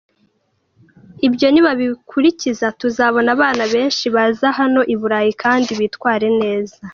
Ibyo nibabikurikiza tuzabona abana benshi baza hano i Burayi kandi bitware neza.